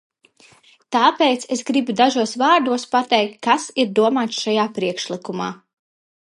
Tāpēc es gribu dažos vārdos pateikt, kas ir domāts šajā priekšlikumā.